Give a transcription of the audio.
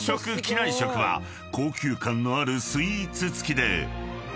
内食は高級感のあるスイーツ付きで］